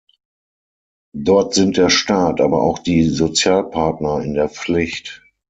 Dort sind der Staat, aber auch die Sozialpartner in der Pflicht.